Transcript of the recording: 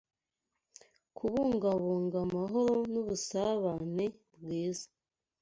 kubungabunga amahoro nubusabane bwiza